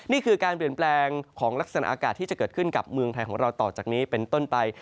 นี่คือการเปลี่ยนแปลงของลักษณะอากาศที่จะเกิดขึ้นกับเมืองไทยของเราต่อจากนี้เป็นต้นไป